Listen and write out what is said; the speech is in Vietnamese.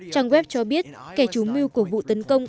trang web cho biết kẻ chủ mưu của vụ tấn công